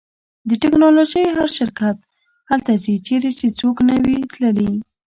د ټیکنالوژۍ هر شرکت هلته ځي چیرې چې څوک نه وي تللی